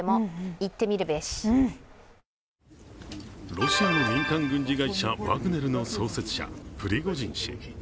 ロシアの民間軍事会社ワグネルの創設者・プリゴジン氏。